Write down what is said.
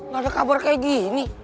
gak ada kabar kayak gini